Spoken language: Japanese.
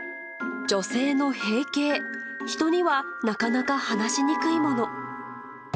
女性の閉経、人にはなかなか話しにくいもの。